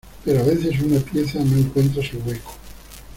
pero a veces una pieza no encuentra su hueco